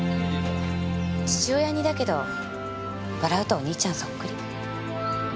父親似だけど笑うとお兄ちゃんそっくり。